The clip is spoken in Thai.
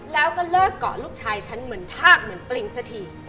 แล้วก็เลิกเกาะลูกชายฉันเหมือนทากเหมือนปริงสักที